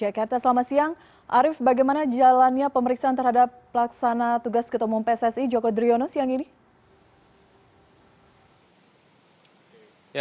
oke kata selamat siang arief bagaimana jalannya pemeriksaan terhadap pelaksana tugas ketumum pssi joko driono siang ini